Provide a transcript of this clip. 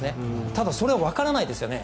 ただ、それはわからないですよね